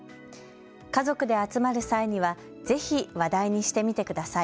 家族で集まる際にはぜひ、話題にしてみてください。